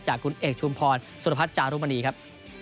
จากคุณเอกชุมพรสุรพัฒน์จารุมณีครับ